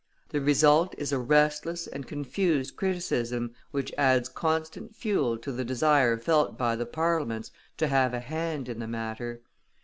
The result is a restless and confused criticism which adds constant fuel to the desire felt by the parliaments to have a hand in the matter.